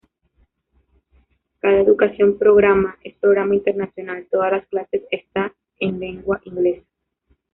Cada educación programa es "programa internacional", todas las clases está en lengua inglesa.